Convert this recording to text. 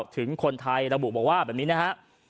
ถึงคนไทยระบุบอกว่าแบบนี้นะฮะ